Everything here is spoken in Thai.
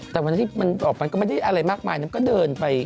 แต่วันนี้เป็นอะไรมากมายนะบอกว่าก็เดินไป